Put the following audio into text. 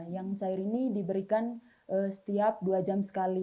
yang cair ini diberikan setiap dua jam sekali